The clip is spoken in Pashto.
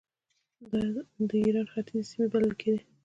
د ایران ختیځې سیمې بلل کېدله.